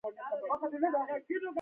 پکورې له ماښامي هوا سره خوند کوي